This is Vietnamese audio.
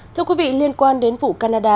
thưa quý vị liên quan đến vụ canada